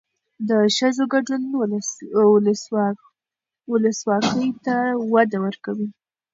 د ښځو ګډون ولسواکۍ ته وده ورکوي.